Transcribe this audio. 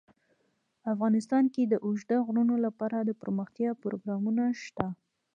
افغانستان کې د اوږده غرونه لپاره دپرمختیا پروګرامونه شته.